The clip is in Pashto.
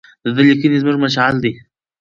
د ده لیکنې زموږ مشعل دي.